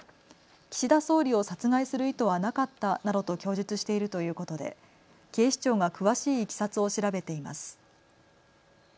岸田総理を殺害する意図はなかったなどと供述しているということで警視庁が詳しいいきさつを調べています。